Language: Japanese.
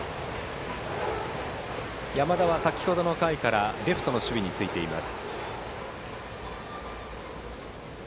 山田は先程の回からレフトの守備についています。